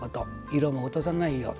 色も落とさないよう。